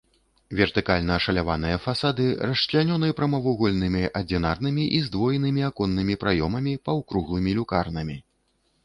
Вертыкальна ашаляваныя фасады расчлянёны прамавугольнымі адзінарнымі і здвоенымі аконнымі праёмамі, паўкруглымі люкарнамі.